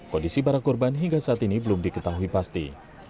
kondisi para korban hingga saat ini belum diketahui pasti